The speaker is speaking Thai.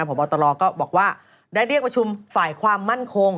พบตรก็บอกว่าได้เรียกประชุมฝ่ายความมั่นคง